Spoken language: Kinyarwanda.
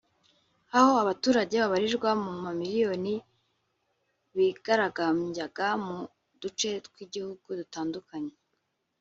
aho abaturage babarirwa mu mamiliyoni bigaragambyaga mu duce tw’igihugu dutandukanye